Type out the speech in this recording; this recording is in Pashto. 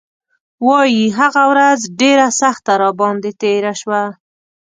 وايي هغه ورځ ډېره سخته راباندې تېره شوه.